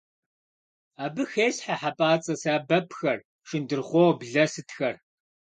Абы хесхьэ хьэпӀацӀэ сэбэпхэр, шындырхъуо, блэ сытхэр.